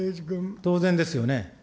当然ですよね。